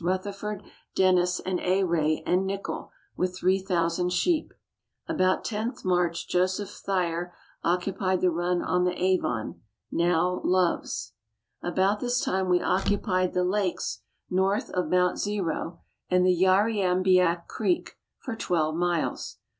Rutherford, Dennis, and Ayrey & Nichol, with 3,000 sheep. About 10th March Joseph Thier occupied the run on the Avon, now Love's. About this time we occupied the lakes north of Mount Zero and the Yarriambiack Creek, for twelve miles.